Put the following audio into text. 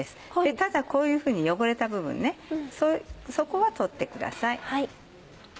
ただこういうふうに汚れた部分そこは取ってください。